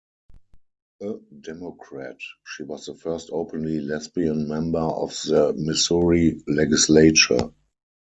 A Democrat, she was the first openly lesbian member of the Missouri Legislature.